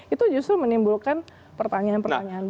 itu justru menimbulkan pertanyaan pertanyaan